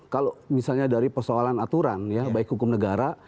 kalau misalnya dari persoalan aturan ya baik hukum negara